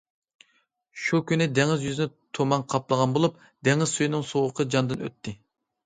شۇ كۈنى دېڭىز يۈزىنى تۇمان قاپلىغان بولۇپ، دېڭىز سۈيىنىڭ سوغۇقى جاندىن ئۆتەتتى.